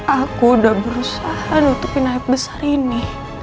aku udah berusaha nutupin air besar ini